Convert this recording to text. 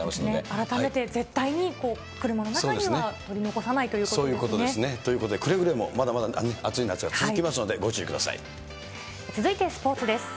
改めて絶対に車の中には取りそういうことですね。ということで、くれぐれも、まだまだ暑い夏が続きますので、ご注意くだ続いてスポーツです。